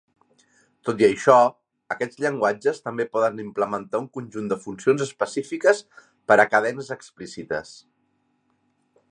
Tot i això, aquests llenguatges també poden implementar un conjunt de funcions específiques per a cadenes explícites.